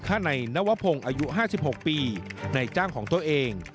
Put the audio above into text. หรือฆ่าในนวพงศ์อายุห้าสิบหกปีในจ้างของตัวเอง